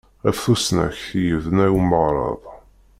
Ɣef tusnakt i yebna umeɣrad.